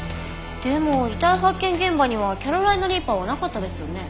でも遺体発見現場にはキャロライナ・リーパーはなかったですよね。